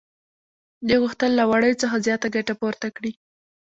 دوی غوښتل له وړیو څخه زیاته ګټه پورته کړي